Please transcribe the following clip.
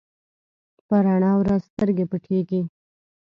په رڼا ورځ سترګې پټېږي.